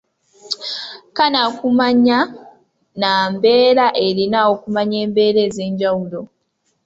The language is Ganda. Kannakumanya nnambeera erina okumanya embeera ez'enjawulo.